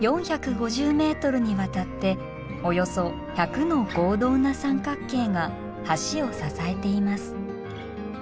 ４５０ｍにわたっておよそ１００の合同な三角形が橋を支えています。